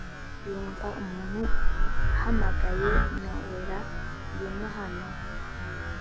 yumva umuntu ahamagaye nowela ngwino hano"